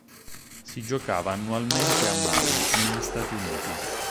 Si giocava annualmente a Maui negli Stati Uniti.